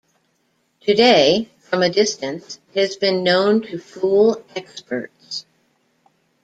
Today, from a distance, it has been "known to fool experts".